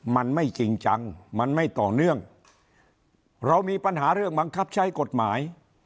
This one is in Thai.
มันไม่จริงจังมันไม่ต่อเนื่องเรามีปัญหาเรื่องบังคับใช้กฎหมาย